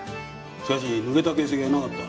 しかし濡れた形跡がなかった。